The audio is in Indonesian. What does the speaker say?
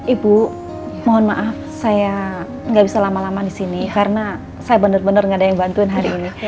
ibu mohon maaf saya gak bisa lama lama disini karena saya bener bener gak ada yang bantuin hari ini